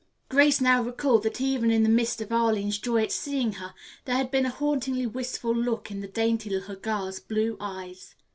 Grace now recalled that even in the midst of Arline's joy at seeing her, there had been a hauntingly wistful look in the dainty little girl's blue eyes.